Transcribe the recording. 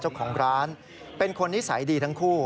เจ้าของร้านเป็นคนนิสัยดีทั้งคู่